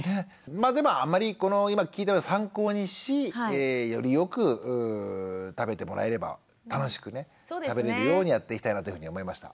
まあでもあんまりこの今聞いたことを参考にしよりよく食べてもらえれば楽しくね食べれるようにやっていきたいなっていうふうに思いました。